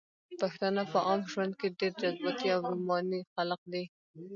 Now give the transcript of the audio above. پښتانه په عام ژوند کښې ډېر جذباتي او روماني خلق دي